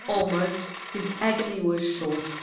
Almost. His agony was short.